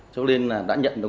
cho nên đã nhận được nguồn tin